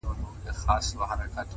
د زړه قوت تر بدن لوی وي؛